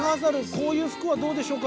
こういう服はどうでしょうか？